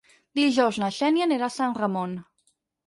Dijous na Xènia anirà a Sant Ramon.